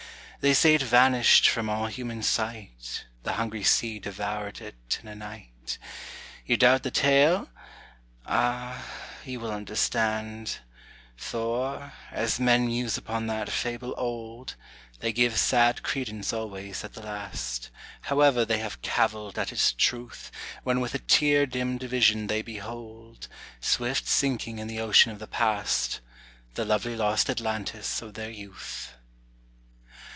They say it vanished from all human sight, The hungry sea devoured it in a night. You doubt the tale? ah, you will understand; For, as men muse upon that fable old, They give sad credence always at the last, However they have caviled at its truth, When with a tear dimmed vision they behold, Swift sinking in the ocean of the Past, The lovely lost Atlantis of their Youth.